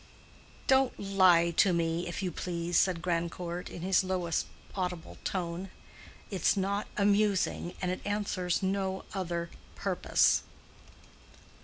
"Don't lie to me, if you please," said Grandcourt, in his lowest audible tone. "It's not amusing, and it answers no other purpose."